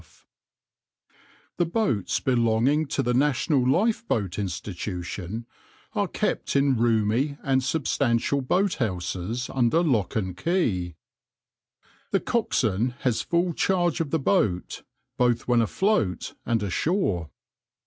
}}}} \end{minipage} \hfill{} \end{figure} The boats belonging to the National Lifeboat Institution are kept in roomy and substantial boathouses under lock and key. The coxswain has full charge of the boat, both when afloat and ashore.